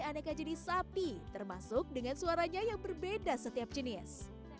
aneka jenis sapi termasuk dengan suaranya yang berbeda setiap jenis